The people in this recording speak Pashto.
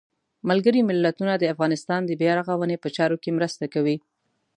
ملګري ملتونه د افغانستان د بیا رغاونې په چارو کې مرسته کوي.